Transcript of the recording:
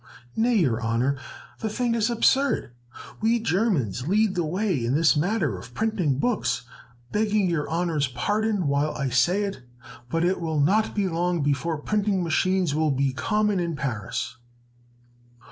Nay, your Honor, the thing is absurd. We Germans lead the way in this matter of printing books, begging your Honor's pardon, while I say it, but it will not be long before printing machines will be common in Paris."